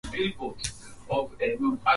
ulirejeshwa mfumo wa Serikali za Mitaa na kudumu